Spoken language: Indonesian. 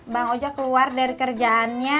bang ojek keluar dari kerjaannya